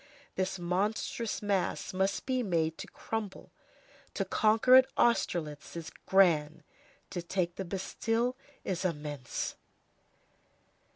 This monstrous mass must be made to crumble. To conquer at Austerlitz is grand; to take the Bastille is immense.